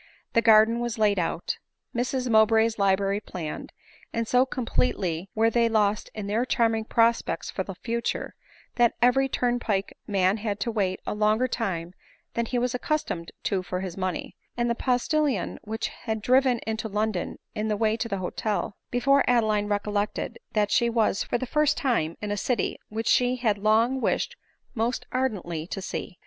The garden was laid out ; Mrs Mowbray's library planned ; and so completely were they lost in their charming prospects for the future, that every turnpike man had to wait a longer time than he was accustomed to for his money ; and the postillion had driven into London in the way to the hotel, before Adeline recollected that she was, for the first time, in a city which she had long wished most ardently to see.